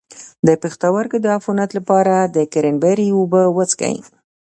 د پښتورګو د عفونت لپاره د کرینبیري اوبه وڅښئ